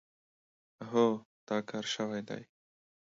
هو، دا کار شوی دی.